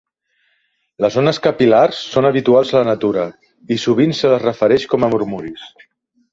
Les ones capil·lars són habituals en la natura, i sovint se les refereix com murmuris.